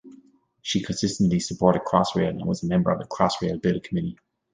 She consistently supported Crossrail and was a member of the Crossrail Bill Committee.